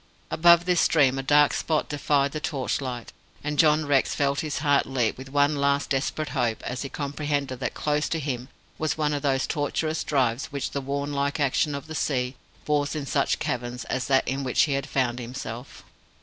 Above this stream a dark spot defied the torchlight, and John Rex felt his heart leap with one last desperate hope as he comprehended that close to him was one of those tortuous drives which the worm like action of the sea bores in such caverns as that in which he found himself.